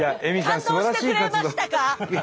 感動してくれましたか？